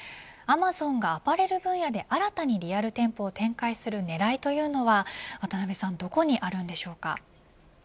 アマゾンがアパレル分野で新たにリアル店舗を展開する狙いというのはどこにあるのでしょうか。